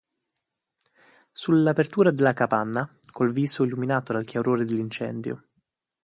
Sull'apertura della capanna, col viso illuminato dal chiarore dell'incendio.